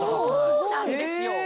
そうなんですよ。